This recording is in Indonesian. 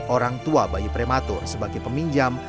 orang tua bayi prematur sebagai peminjam